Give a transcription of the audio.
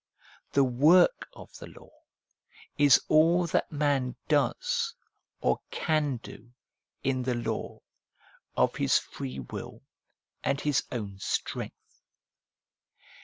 The work of the law is all that man does, or can do, in the law, of his free will and his own strength.